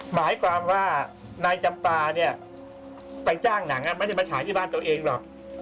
หมายความว่านายจำปาเนี่ยไปจ้างหนังไม่ได้มาฉายที่บ้านตัวเองหรอก